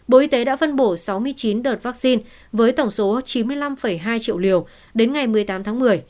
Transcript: bộ y tế đã phân bổ sáu mươi chín đợt vaccine với tổng số chín mươi năm hai triệu liều đến ngày một mươi tám tháng một mươi